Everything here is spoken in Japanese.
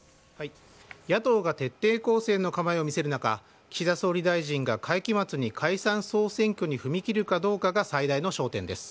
野党が徹底抗戦の構えを見せる中岸田総理大臣が会期末に解散総選挙に踏み切るかどうかが最大の焦点です。